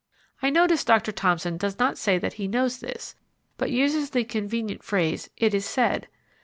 I notice Doctor Thomson does not say that he knows this, but uses the convenient phrase, "it is said."